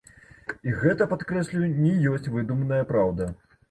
І гэта, падкрэслю, не ёсць выдуманая праўда.